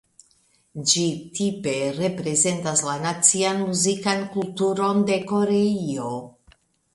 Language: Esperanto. Ĝi tipe reprezentas la nacian muzikan kulturon de Koreio.